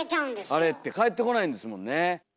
あれって返ってこないんですもんね。